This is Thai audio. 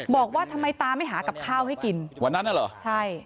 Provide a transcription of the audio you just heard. บอกว่าทำไมตาไม่หากับข้าวให้กินวันนั้นน่ะเหรอใช่